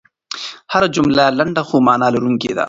هره جمله لنډه خو مانا لرونکې ده.